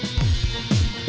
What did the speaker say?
tujuh dua bulan